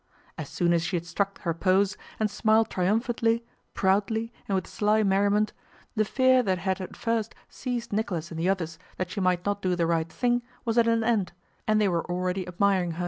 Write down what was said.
As soon as she had struck her pose, and smiled triumphantly, proudly, and with sly merriment, the fear that had at first seized Nicholas and the others that she might not do the right thing was at an end, and they were already admiring her.